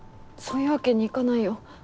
そういうわけにいかないよ。